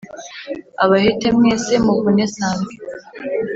Abahete mwese muvune sambwe